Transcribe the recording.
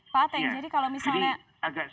pak ateng jadi kalau misalnya agak